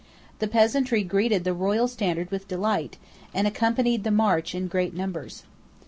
The peasantry greeted the royal standard with delight, and accompanied the march in great numbers.